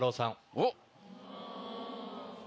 おっ。